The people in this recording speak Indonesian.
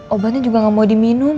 obannya juga gak mau diminum